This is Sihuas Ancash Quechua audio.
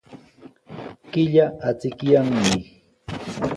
Killa achikyanmi.